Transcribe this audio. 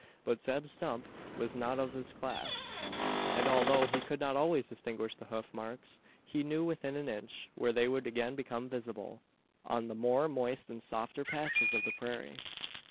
But Zeb Stump was not of this class; and although he could not always distinguish the hoof marks, he knew within an inch where they would again become visible on the more moist and softer patches of the prairie.